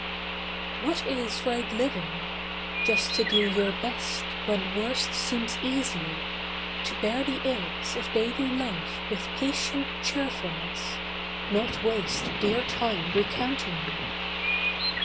What is right living? Just to do your best When worst seems easier. To bear the ills Of daily life with patient cheerfulness Nor waste dear time recounting them.